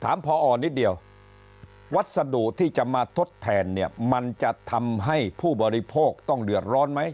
พอนิดเดียววัสดุที่จะมาทดแทนเนี่ยมันจะทำให้ผู้บริโภคต้องเดือดร้อนไหม